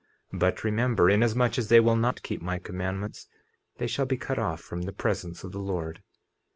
But remember, inasmuch as they will not keep my commandments they shall be cut off from the presence of the Lord.